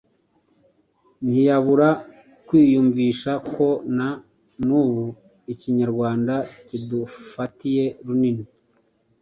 ntiyabura kwiyumvisha ko na n'ubu ikinyarwanda kidufatiye runini.